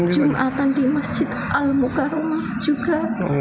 jum'atan di masjid al mukarramah juga